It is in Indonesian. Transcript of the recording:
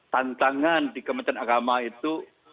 tantangan di kementerian agama itu